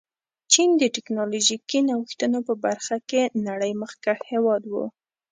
چین د ټکنالوژيکي نوښتونو په برخه کې نړۍ مخکښ هېواد و.